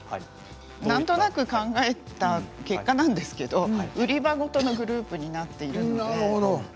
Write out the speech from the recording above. なんとなく考えた結果なんですけれど売り場ごとのグループになっているんです。